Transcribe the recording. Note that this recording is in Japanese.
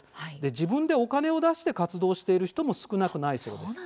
自分で、お金を出して活動している人も少なくないそうです。